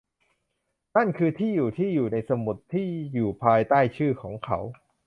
นั่นคือที่อยู่ที่อยู่ในสมุดที่อยู่ภายใต้ชื่อของเขา